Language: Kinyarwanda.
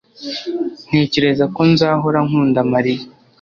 ntekereza ko nzahora nkunda mariya